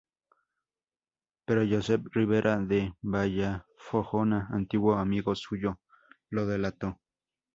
Pero Josep Riera, de Vallfogona, antiguo amigo suyo, lo delató.